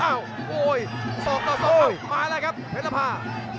อ้าวโอ้ยสองต่อสองต่อมาแล้วครับเผ็ดละพา